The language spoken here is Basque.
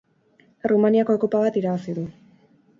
Errumaniako Kopa bat irabazi du.